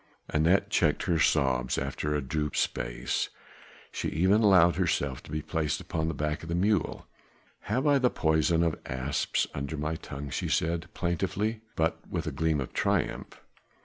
Anat checked her sobs after a due space; she even allowed herself to be placed upon the back of the mule. "Have I the poison of asps under my tongue?" she said plaintively, but with a gleam of triumph.